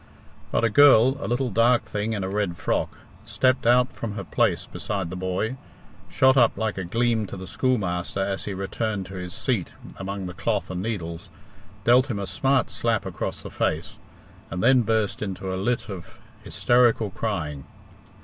But a girl, a little dark thing in a red frock, stepped out from her place beside the boy, shot up like a gleam to the schoolmaster as he returned to his seat among the cloth and needles, dealt him a smart slap across the face, and then burst into a lit of hysterical crying.